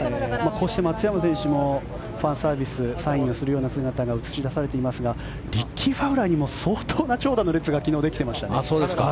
こうして松山選手もファンサービスサインをするような姿が映し出されていますがリッキー・ファウラーにも相当な長蛇の列が昨日、できてましたね。